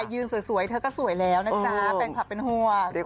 ยืนสวยเธอก็สวยแล้วนะจ๊ะแฟนคลับเป็นห่วง